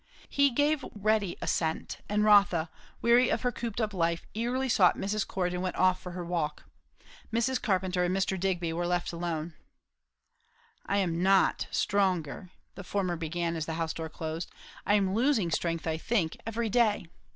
He gave ready assent; and Rotha, weary of her cooped up life, eagerly sought Mrs. Cord and went off for her walk. Mrs. Carpenter and Mr. Digby were left alone. "I am not stronger," the former began as the house door closed. "I am losing strength, I think, every day.